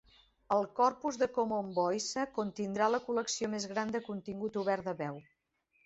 El corpus de Common Voice contindrà la col·lecció més gran de contingut obert de veu.